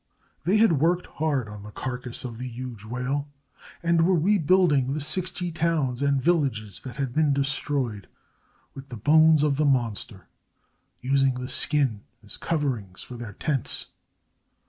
They had worked hard on the carcass of the huge whale and were rebuilding the sixty towns and villages that had been destroyed, with the bones of the monster, using the skin as coverings for their tents.